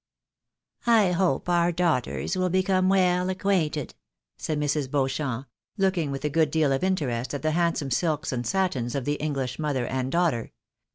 " I hope our daughters will become well acquainted," said Mrs. Beauchamp, looking with a good deal of interest at the handsome sUks and satins of the English mother and daughter.